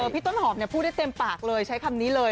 พี่ต้นหอมพูดได้เต็มปากเลยใช้คำนี้เลย